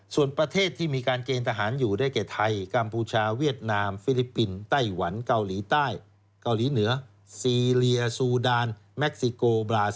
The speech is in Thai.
ส่วนประเทศที่มีการเกณฑ์ทหารอยู่ได้แก่ไทยกัมพูชาเวียดนามฟิลิปปินส์ไต้หวันเกาหลีใต้เกาหลีเหนือซีเรียซูดานแม็กซิโกบราซิ